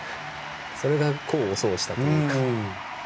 それが功を奏したというか。